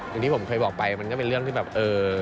อย่างที่ผมเคยบอกไปมันก็เป็นเรื่องที่แบบเออ